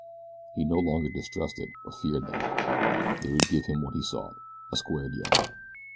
He no longer distrusted or feared them. They would give him what he sought a square deal.